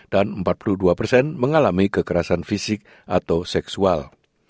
dan empat puluh dua persen mengalami kekerasan fisik atau seksual